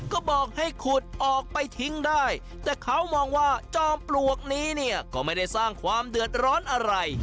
ก็บอกให้ขุดออกไปทิ้งได้แต่เขามองว่าจอมปลวกนี้เนี่ยก็ไม่ได้สร้างความเดือดร้อนอะไร